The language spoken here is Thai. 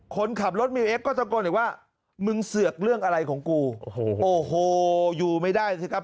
คนขับรถมิวเอ็กซก็ตะโกนอีกว่ามึงเสือกเรื่องอะไรของกูโอ้โหอยู่ไม่ได้สิครับ